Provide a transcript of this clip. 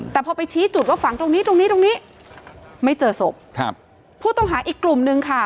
แต่พอไปชี้จุดว่าฝังตรงนี้ตรงนี้ตรงนี้ไม่เจอศพครับผู้ต้องหาอีกกลุ่มนึงค่ะ